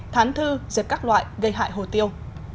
thán thư dẹp các loại gây hại hồ tiêu